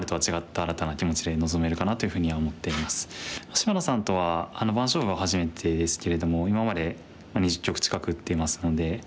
芝野さんとは番勝負は初めてですけれども今まで２０局近く打っていますので。